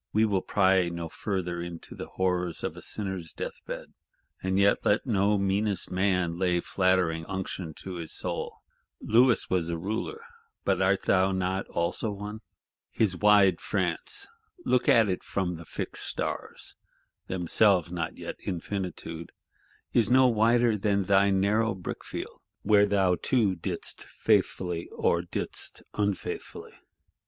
—We will pry no further into the horrors of a sinner's death bed. And yet let no meanest man lay flattering unction to his soul. Louis was a Ruler; but art not thou also one? His wide France, look at it from the Fixed Stars (themselves not yet Infinitude), is no wider than thy narrow brickfield, where thou too didst faithfully, or didst unfaithfully.